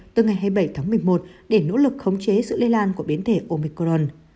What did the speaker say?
từ ngày hai mươi bảy tháng một mươi một để nỗ lực khống chế sự lây lan của biến thể omicorn